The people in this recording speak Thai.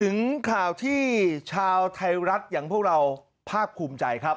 ถึงข่าวที่ชาวไทยรัฐอย่างพวกเราภาคภูมิใจครับ